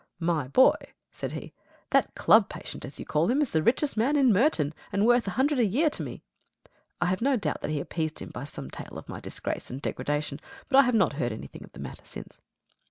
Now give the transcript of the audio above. "My boy," said he, "that club patient, as you call him, is the richest man in Merton, and worth a hundred a year to me." I have no doubt that he appeased him by some tale of my disgrace and degradation; but I have not heard anything of the matter since.